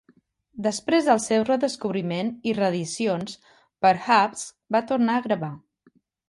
Després del seu redescobriment i reedicions, Perhacs va tornar a gravar.